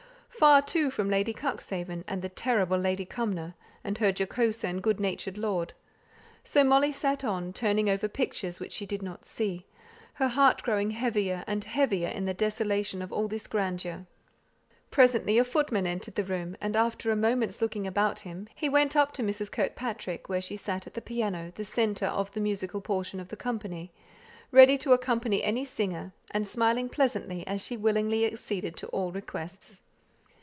Far, too, from Lady Cuxhaven, and the terrible Lady Cumnor, and her jocose and good natured lord. So Molly sate on, turning over pictures which she did not see; her heart growing heavier and heavier in the desolation of all this grandeur. Presently a footman entered the room, and after a moment's looking about him, he went up to Mrs. Kirkpatrick, where she sate at the piano, the centre of the musical portion of the company, ready to accompany any singer, and smiling pleasantly as she willingly acceded to all requests.